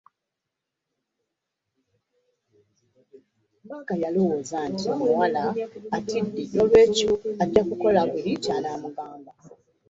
Mbaga yalowooza nti omuwala atidde noolwekyo ajja kukola buli ky'anaamugamba.